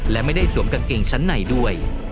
และไม่ได้สวมกางเกงชั้นในด้วย